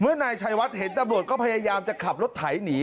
นายชัยวัดเห็นตำรวจก็พยายามจะขับรถไถหนี